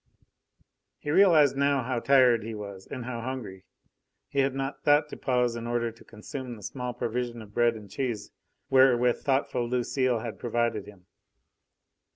He realised now how tired he was and how hungry. He had not thought to pause in order to consume the small provision of bread and cheese wherewith thoughtful Lucile had provided him.